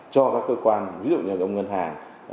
cho các cơ quan ví dụ như ông ngân hàng